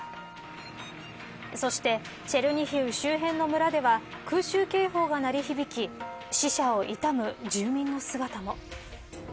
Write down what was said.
そしてチェルニヒウ周辺の村では空襲警報が鳴り響き死者を悼む住民の姿も。